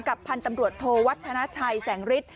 พันธุ์ตำรวจโทวัฒนาชัยแสงฤทธิ